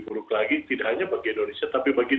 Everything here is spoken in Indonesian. buruk lagi tidak hanya bagi indonesia tapi bagi